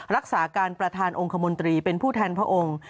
รักษาการประธานองค์คมนตรีเป็นผู้แทนพระองค์